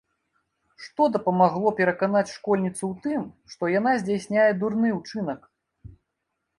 Што дапамагло пераканаць школьніцу ў тым, што яна здзяйсняе дурны ўчынак?